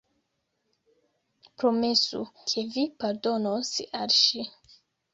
Promesu, ke vi pardonos al ŝi!